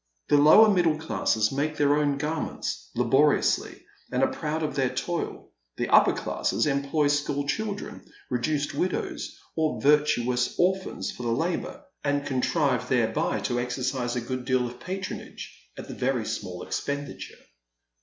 The lower middle classes make their own garments, laboriously, and are proud of their toil ; the upper classes employ school children, reduced widows, or virtuous orphans for the labour, and contrive thereby to exercise a good deal of patronage at a very small expenditure.